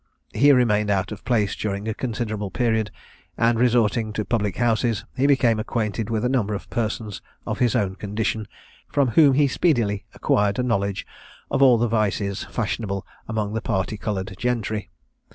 He remained out of place during a considerable period, and, resorting to public houses, he became acquainted with a number of persons of his own condition, from whom he speedily acquired a knowledge of all the vices fashionable among the party coloured gentry.